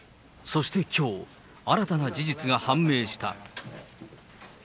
そしてきょう、新たな事実が判明した。